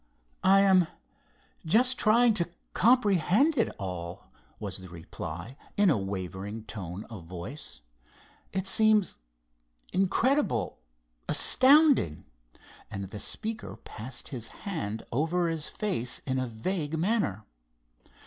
"I am just trying to comprehend it all," was the reply, in a wavering tone of voice. "It seems incredible, astounding," and the speaker passed his hand over his face in a vague manner.